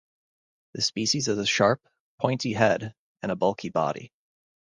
This species has a sharp, pointy head, and a bulky body.